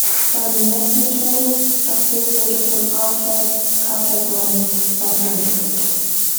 Seine Messmethode dafür wurde von Arthur Casagrande weiterentwickelt.